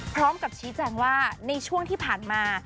พร้อมกับชี้แจงว่าในช่วงที่ผ่านมา